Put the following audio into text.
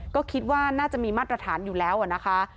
ก็คิดว่าน่าจะมีมาตรฐานอยู่แล้วนะคะ